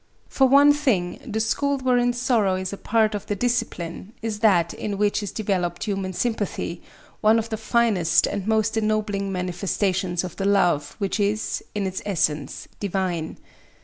For one thing, the school wherein sorrow is a part of the discipline is that in which is developed human sympathy, one of the finest and most ennobling manifestations of the Love which is, in its essence, divine.